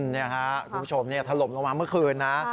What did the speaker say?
นี่ครับคุณผู้ชมถล่มลงมาเมื่อคืนนะ